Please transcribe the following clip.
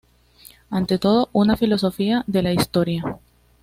Ante todo una filosofía de la historia.